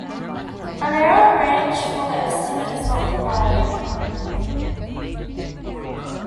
An error range for the estimate is not provided.